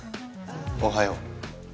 おはよう。